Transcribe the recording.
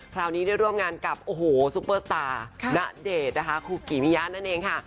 คราวนี้ได้ร่วมงานกับโอ้โหซุปเปอร์สตาร์ณเดชน์นะคะคูกิมิยะนั่นเองค่ะ